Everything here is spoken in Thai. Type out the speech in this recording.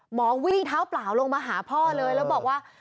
หมอวิ่งเท้าเปล่าลงมาหาพ่อเลยแล้วบอกว่า